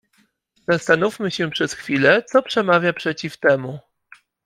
"Zastanówmy się przez chwilę, co przemawia przeciw temu."